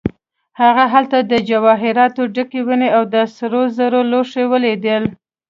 هغه هلته د جواهراتو ډکې ونې او د سرو زرو لوښي ولیدل.